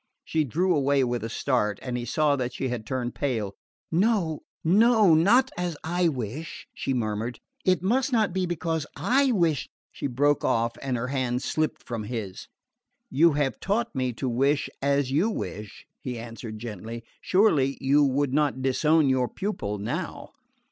She drew away with a start, and he saw that she had turned pale. "No, no not as I wish," she murmured. "It must not be because I wish " she broke off and her hand slipped from his. "You have taught me to wish as you wish," he answered gently. "Surely you would not disown your pupil now?"